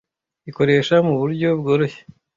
ikorehsa mu buryo bworohsye.